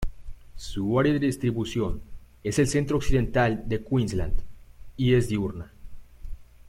Su área de distribución es el centro occidental de Queensland y es diurna.